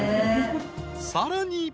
［さらに］